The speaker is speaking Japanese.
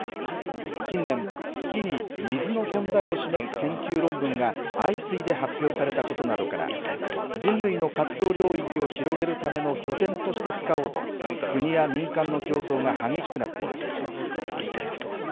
近年、月に水の存在を示す研究論文が相次いで発表されたことなどから、人類の活動領域を広げるための拠点として使おうと、国や民間の競争が激しくなっています。